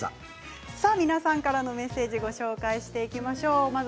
皆さんからのメッセージをご紹介していきます。